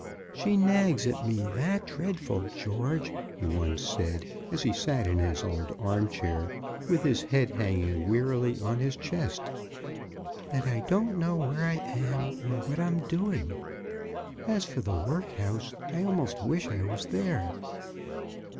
"She nags at me that dreadful, George," he once said, as he sat in his old arm chair, with his head hanging wearily on his chest, "that I don't know where I am or what I'm doing. As for the workhouse, I almost wish I was there."